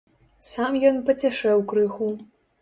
Сам ён пацішэў крыху.